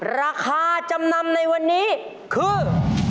ราคาจำนำในวันนี้คือ